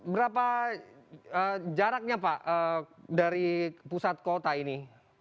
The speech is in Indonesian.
berapa jaraknya pak dari pusat kota ini